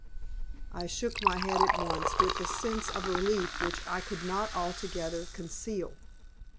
I shook my head at once with a sense of relief which I could not altogether conceal.